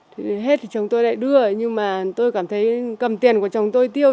thì hết thì chúng tôi lại đưa nhưng mà tôi cảm thấy cầm tiền của chồng tôi tiêu